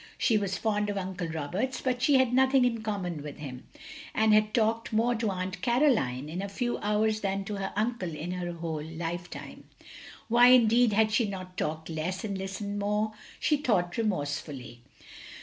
She was fond of Uncle Roberts, but she had nothing in common with him, and had talked more to Aunt Caroline in a few hours than to her uncle in her whole life time. Why, indeed, had she not talked less and listened more? she thought remorsefully.